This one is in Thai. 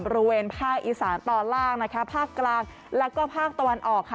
บริเวณภาคอีสานตอนล่างนะคะภาคกลางแล้วก็ภาคตะวันออกค่ะ